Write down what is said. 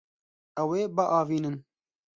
Ew ê biavînin.